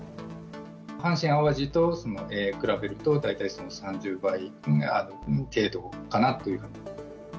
阪神・淡路と比べると大体その３０倍程度かなというふうに。